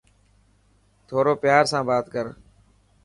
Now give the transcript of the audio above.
ٿورو پيار سان بات ڪر.